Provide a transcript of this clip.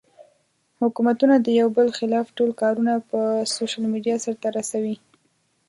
حکومتونه د يو بل خلاف ټول کارونه پۀ سوشل ميډيا سر ته رسوي